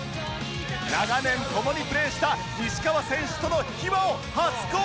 長年共にプレーした西川選手との秘話を初公開！